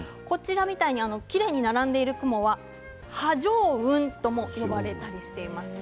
きれいに並んでいる雲は波状雲とも呼ばれています。